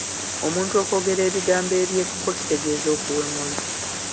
Omuntu okwogera ebigambo eby'ekko kitegeeza okuwemula.